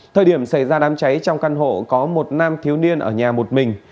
thời điểm xảy ra đám cháy trong căn hộ có một nam thiếu niên ở nhà một mình